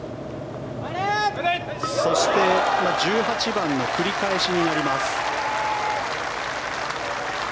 そして１８番の繰り返しになります。